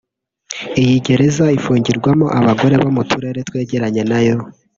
Iyi gereza ifungirwamo abagore bo mu turere twegeranye nayo